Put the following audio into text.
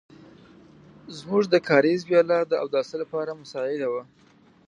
زموږ د کاریز وياله د اوداسه لپاره مساعده وه.